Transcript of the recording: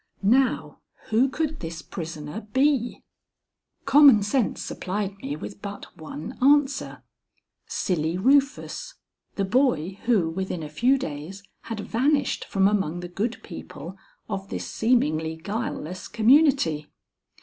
Now, who could this prisoner be? Common sense supplied me with but one answer; Silly Rufus, the boy who within a few days had vanished from among the good people of this seemingly guileless community.